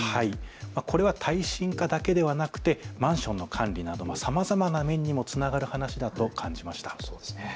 これは耐震化だけでなくマンションの管理などさまざまな面にもつながる話だと感じました。